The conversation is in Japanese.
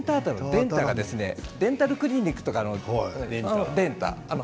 デンタルクリニックとかのデンターですね